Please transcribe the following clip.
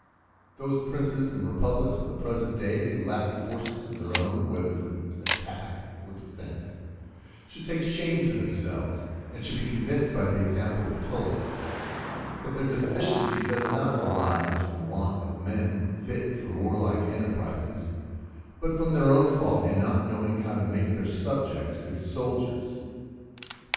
Those princes and republics of the present day who lack forces of their own, whether for attack or defence, should take shame to themselves, and should be convinced by the example of Tullus, that their deficiency does not arise from want of men fit for warlike enterprises, but from their own fault in not knowing how to make their subjects good soldiers.